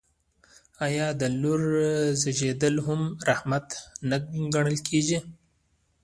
آیا د لور زیږیدل هم رحمت نه ګڼل کیږي؟